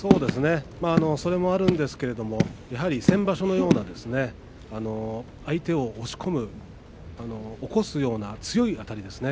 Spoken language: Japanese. それもあるんですがやはり先場所のような相手を押し込む、起こすような強いあたりですね。